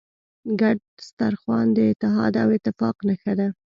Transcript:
ګډ سترخوان د اتحاد او اتفاق نښه ده.